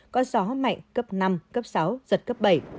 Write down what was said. có gió mạnh cấp năm sáu giật cấp bảy